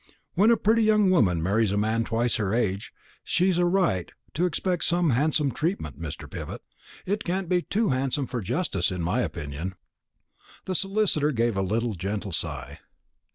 When a pretty young woman marries a man twice her age, she's a right to expect handsome treatment, Mr. Pivott. It can't be too handsome for justice, in my opinion." The solicitor gave a little gentle sigh.